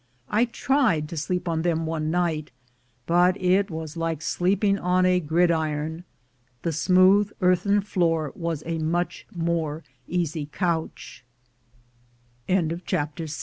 I tried to sleep on them one night, but it was like sleeping on a gridiron; the smooth earthen floor was a much more easy